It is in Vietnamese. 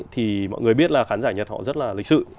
thì mọi người biết là khán giả nhật họ rất là lịch sự